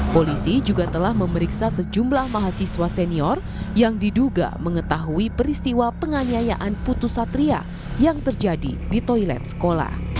polisi juga telah memeriksa sejumlah mahasiswa senior yang diduga mengetahui peristiwa penganiayaan putus satria yang terjadi di toilet sekolah